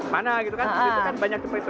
mana gitu kan itu kan banyak seperti itu